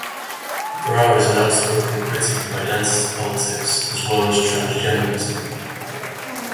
Brar is an outspoken critic of identity politics as well as "transgenderism".